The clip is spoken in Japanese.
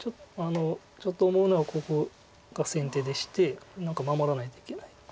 ちょっと思うのはここが先手でして何か守らないといけないです。